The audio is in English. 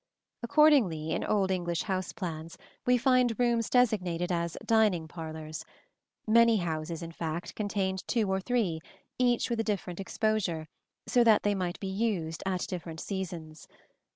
Accordingly, in old English house plans we find rooms designated as "dining parlors"; many houses, in fact, contained two or three, each with a different exposure, so that they might be used at different seasons.